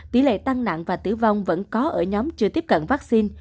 tỷ lệ tăng nặng và tử vong vẫn có ở nhóm chưa tiếp cận vaccine